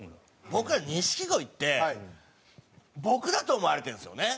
僕は錦鯉って僕だと思われてるんですよね。